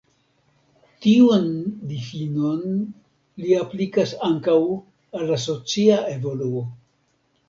Tiun difinon li aplikas ankaŭ al la socia evoluo.